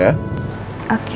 taruh dulu deh bukunya